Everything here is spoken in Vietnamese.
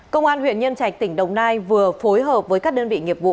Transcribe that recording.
công an huyện nhân trạch tỉnh đồng nai vừa phối hợp với các đơn vị nghiệp vụ